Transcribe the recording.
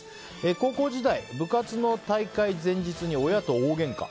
高校時代、部活の大会前日に親と大げんか。